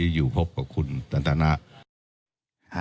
แล้วถ้าคุณชุวิตไม่ออกมาเป็นเรื่องกลุ่มมาเฟียร์จีน